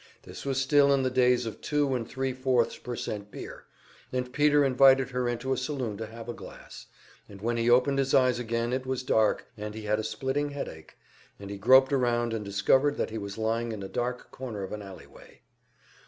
This was still in the days of two and three fourths per cent beer, and Peter invited her into a saloon to have a glass, and when he opened his eyes again it was dark, and he had a splitting headache, and he groped around and discovered that he was lying in a dark corner of an alleyway.